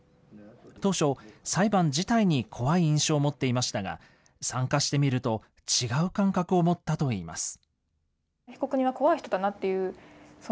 当初、裁判自体に怖い印象を持っていましたが、参加してみると、違う感覚を持ったといいます。